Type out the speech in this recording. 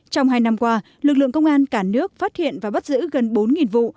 trong hai năm qua lực lượng công an cả nước phát hiện và bắt giữ gần bốn vụ